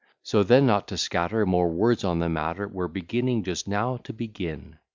So then, not to scatter More words on the matter, We're beginning just now to begin.